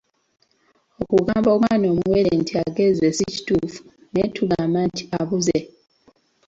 Okugamba omwana omuwere nti agezze si kituufu naye tugamba nti abuzze.